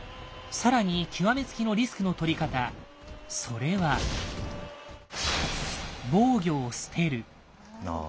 更に極め付きのリスクのとり方それは。ああ。